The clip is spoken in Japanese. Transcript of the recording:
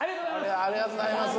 ありがとうございます。